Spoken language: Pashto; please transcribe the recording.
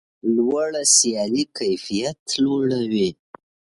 لوړه سیالي کیفیت لوړوي.